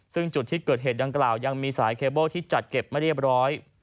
ซึ่งจุดที่เกิดเหตุดังกล่าวยังมีสายเคเบิ้ลที่จัดเก็บไม่เรียบร้อย